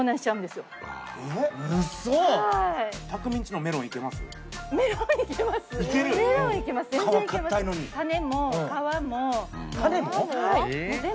すごいね。